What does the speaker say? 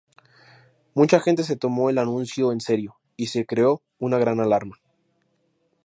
Mucha gente se tomó el anuncio en serio y se creó una gran alarma.